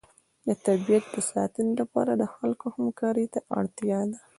د طبیعت د ساتنې لپاره د خلکو همکارۍ ته اړتیا ده.